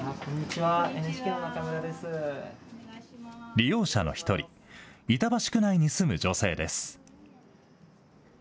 利用者の１人、板橋区内に住む女性です。